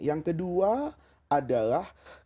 yang kedua adalah